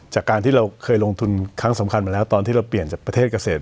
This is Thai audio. จากการที่เราเคยลงทุนครั้งสำคัญมาแล้วตอนที่เราเปลี่ยนจากประเทศเกษตร